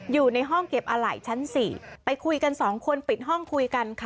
อยู่ในห้องเก็บอะไหล่ชั้น๔ไปคุยกันสองคนปิดห้องคุยกันค่ะ